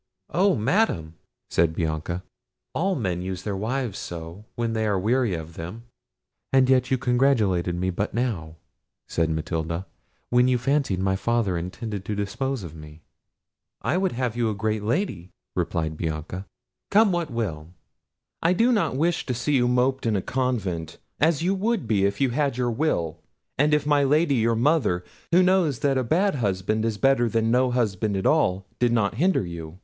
"Oh! Madam," said Bianca, "all men use their wives so, when they are weary of them." "And yet you congratulated me but now," said Matilda, "when you fancied my father intended to dispose of me!" "I would have you a great Lady," replied Bianca, "come what will. I do not wish to see you moped in a convent, as you would be if you had your will, and if my Lady, your mother, who knows that a bad husband is better than no husband at all, did not hinder you.